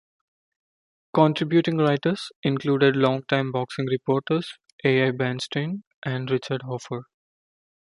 Contributing writers included long-time boxing reporters Al Bernstein and Richard Hoffer.